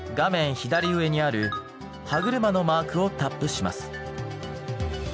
左上にある歯車のマークをタップします。